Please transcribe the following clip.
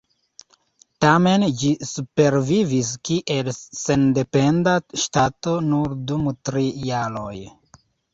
Tamen ĝi supervivis kiel sendependa ŝtato nur dum tri jaroj.